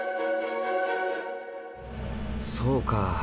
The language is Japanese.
そうか。